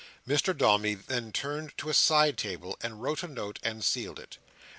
Mr Dombey then turned to a side table, and wrote a note and sealed it.